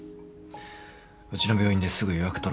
うちの病院ですぐ予約取るからさ。